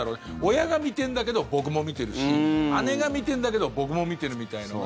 親が見てんだけど僕も見てるし姉が見てんだけど僕も見てるみたいなのが。